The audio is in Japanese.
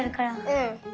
うん。